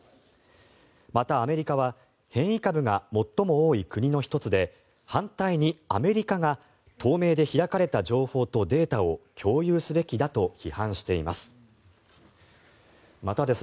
また、アメリカは変異株が最も多い国の１つで反対にアメリカが透明で開かれた情報とデータを共有すべきだと批判しています。